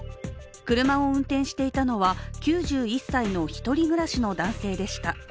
車を運転していたのは９１歳の独り暮らしの男性でした。